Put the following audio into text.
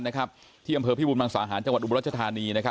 ที่อำเภอพิบูรมังสาหารจังหวัดอุบรัชธานี